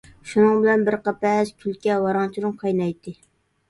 شۇنىڭ بىلەن بىر قەپەس كۈلكە، ۋاراڭ-چۇرۇڭ قاينايتتى.